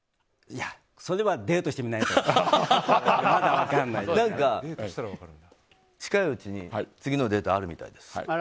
いや、それはデートしてみないと近いうちに次のデートあるみたいです。